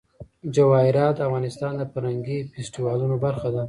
جواهرات د افغانستان د فرهنګي فستیوالونو برخه ده.